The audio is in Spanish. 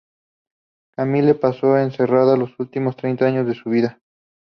Camille pasó encerrada los últimos treinta años de su vida.